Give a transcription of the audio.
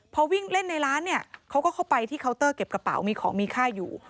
พอวิ่งเล่นในร้านเนี่ยเขาก็เข้าไปที่เคาน์เตอร์เก็บกระเป๋ามีของมีค่าอยู่